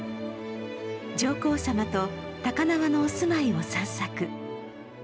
上皇さまと高輪のお住まいを散策。